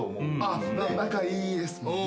あっ仲いいですもんね。